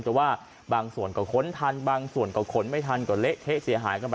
แต่ว่าบางส่วนก็ค้นทันบางส่วนก็ขนไม่ทันก็เละเทะเสียหายกันไป